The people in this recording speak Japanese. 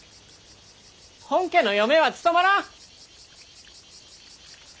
本家の嫁は務まらん！